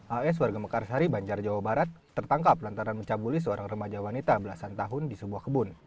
as warga mekarsari banjar jawa barat tertangkap lantaran mencabuli seorang remaja wanita belasan tahun di sebuah kebun